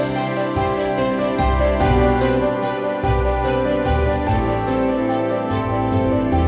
โปรดติดตามตอนต่อไป